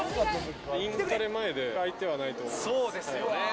インカレ前で空いてないと思そうですよね。